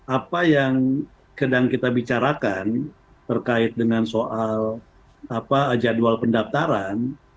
apa yang sedang kita bicarakan terkait dengan soal jadwal pendaftaran